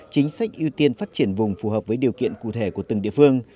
chính sách ưu tiên phát triển vùng phù hợp với điều kiện cụ thể của từng địa phương